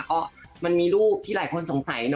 ก็มันมีรูปที่หลายคนสงสัยนะ